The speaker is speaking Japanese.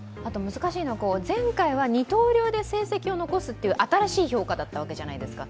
難しいのは前回は二刀流で成績を残すっていう新しい評価だったわけじゃないですか。